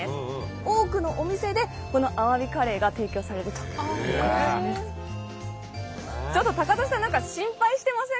多くのお店でこのアワビカレーが提供されるということなんです。